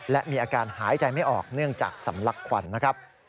และมีอาการหายใจไม่ออกเนื่องจากสำลักควันนะครับ